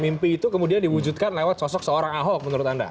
mimpi itu kemudian diwujudkan lewat sosok seorang ahok menurut anda